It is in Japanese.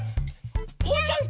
おうちゃん